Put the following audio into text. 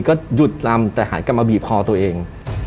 ก็หายไปมาบีบคอตัวเอง